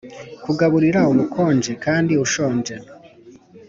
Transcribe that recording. kugaburira ubukonje kandi ushonje